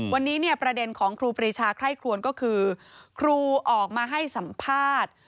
วันนี้เนี่ยประเด็นของครูปรีชาไคร่ครวนก็คือครูออกมาให้สัมภาษณ์